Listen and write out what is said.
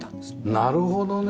なるほどね。